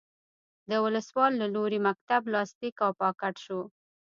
د ولسوال له لوري مکتوب لاسلیک او پاکټ شو.